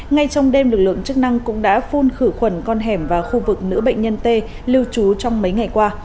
ngay trong đêm lực lượng chức năng cũng đã phun khử khuẩn con hẻm và khu vực nữ bệnh nhân t lưu trú trong mấy ngày qua